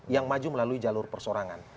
yang maju melalui jalur persorangan